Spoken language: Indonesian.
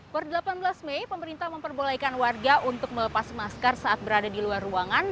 per delapan belas mei pemerintah memperbolehkan warga untuk melepas masker saat berada di luar ruangan